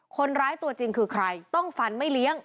ตัวจริงคือใครต้องฟันไม่เลี้ยง